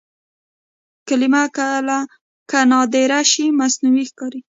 کلمه که نادره شي مصنوعي ښکاري.